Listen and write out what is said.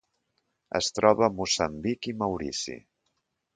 Es troba a Moçambic i Maurici.